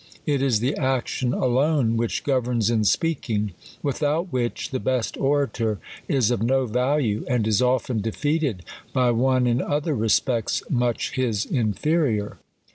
It is the action alone which governs in speaking ; without which the best orator is of no value ; and is often defeated by one, in other respects, much his in ferior."